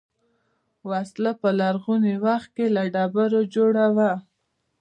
وسله په لرغوني وخت کې له ډبرو جوړه وه